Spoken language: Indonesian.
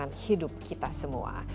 kedalam sungan hidup kita semua